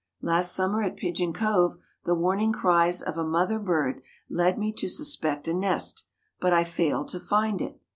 Last summer at Pigeon Cove the warning cries of a mother bird led me to suspect a nest, but I failed to find it.